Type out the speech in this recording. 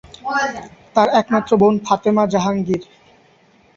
তার একমাত্র বোন ফাতেমা জাহাঙ্গীর।